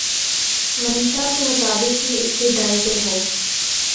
منشاء کے مطابق ہی اس کے جائزے ہوں۔